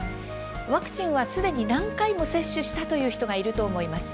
ワクチンはすでに何回も接種したという人がいると思います。